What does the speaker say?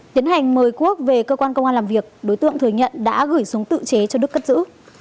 tiến hành mời quốc về cơ quan công an làm việc đối tượng thừa nhận đã gửi súng tự chế cho đức cất giữ